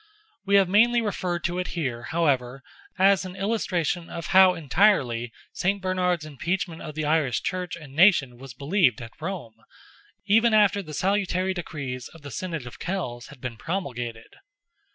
We have mainly referred to it here, however, as an illustration of how entirely St. Bernard's impeachment of the Irish Church and nation was believed at Rome, even after the salutary decrees of the Synod of Kells had been promulgated.